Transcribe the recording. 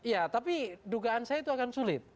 ya tapi dugaan saya itu akan sulit